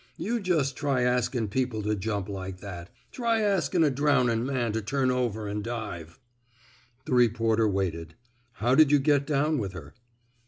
You jus' try askin' people to jump like that. Try askin' a drownin' man to turn over an' dive I " The reporter waited. How did you get down with her!